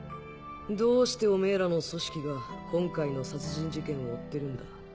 どうしておめぇらの組織が今回の殺人事件を追ってるんだ？